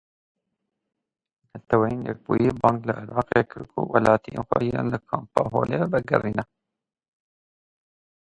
Netewên Yekbûyî bang li Iraqê kir ku welatiyên xwe yên li Kampa Holê vegerîne.